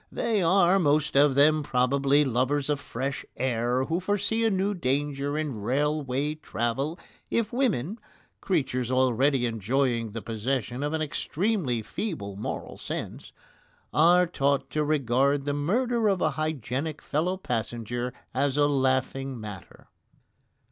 They are, most of them, probably, lovers of fresh air, who foresee a new danger in railway travel if women creatures already enjoying the possession of an extremely feeble moral sense are taught to regard the murder of a hygienic fellow passenger as a laughing matter.